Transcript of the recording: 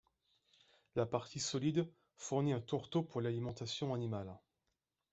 La partie solide fournit un tourteau pour l'alimentation animale.